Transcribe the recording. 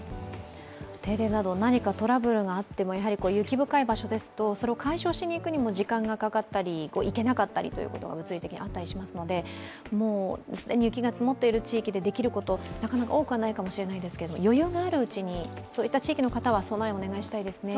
停電など、何かトラブルがあっても雪深い場所ですとそれを解消しに行くにも時間がかかったり行けなかったりということが物理的にあったりしますので既に雪が積もっている地域でできること、多くはないかもしれないですけど余裕があるうちに、そういった地域の方は備えをお願いしたいですね。